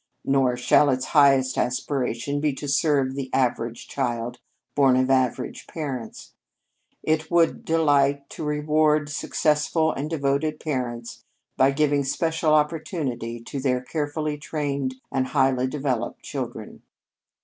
Nor shall its highest aspiration be to serve the average child, born of average parents. It would delight to reward successful and devoted parents by giving especial opportunity to their carefully trained and highly developed children.